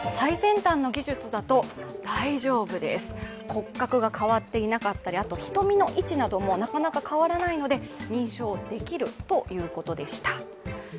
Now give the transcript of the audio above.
骨格が変わっていなかったり瞳の位置などもなかなか変わらないので認証できるということでした。